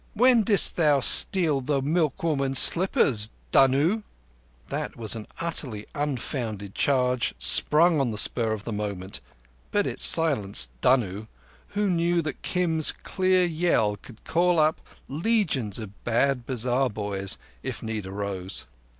When didst thou steal the milkwoman's slippers, Dunnoo?" That was an utterly unfounded charge sprung on the spur of the moment, but it silenced Dunnoo, who knew that Kim's clear yell could call up legions of bad bazaar boys if need arose.